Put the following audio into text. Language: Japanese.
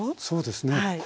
そうですね。